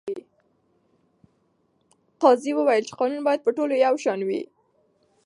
قاضي وویل چې قانون باید په ټولو یو شان وي.